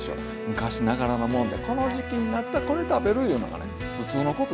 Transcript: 昔ながらのもんでこの時期になったらこれ食べるいうのがねふつうのことですから。